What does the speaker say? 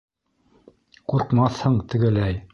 Ҡурҡмаҫһың тегеләй!